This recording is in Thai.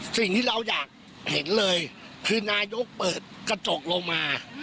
สิ่งที่เราอยากเห็นเลยคือนายกเปิดกระจกลงมา